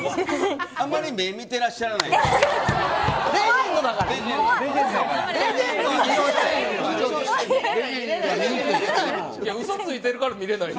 あまり目を見ていらっしゃらない。